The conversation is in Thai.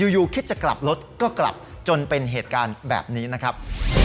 อยู่คิดจะกลับรถก็กลับจนเป็นเหตุการณ์แบบนี้นะครับ